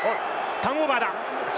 ターンオーバーだ。